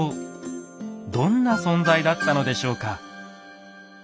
どんな存在だったのでしょうか？